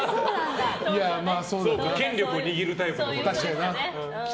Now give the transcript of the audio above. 権力を握るタイプのね。